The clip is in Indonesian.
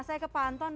saya ke panton